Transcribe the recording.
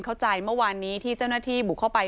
เมื่อวานนี้ที่เจ้าหน้าที่บุกเข้าไป